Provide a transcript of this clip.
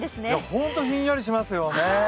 ホント、ひんやりしますよね